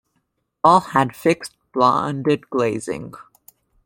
All had fixed bonded glazing.